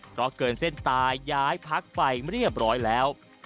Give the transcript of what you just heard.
เพราะเกินเส้นตายย้ายพักไปเรียบร้อยแล้ว